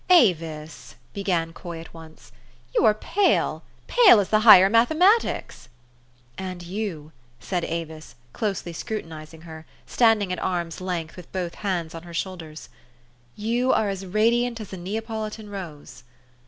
4 'Avis," began Coy at once, "you are pale, pale as the higher mathematics." " And you," said Avis, closely scrutinizing her, standing at arm's length, with both hands on her shoulders, " you are as radiant as a Neapolitan rose."